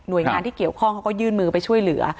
โดยงานที่เกี่ยวข้องเขาก็ยื่นมือไปช่วยเหลือ